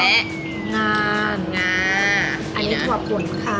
อันนี้ถั่วปุ่นค่ะ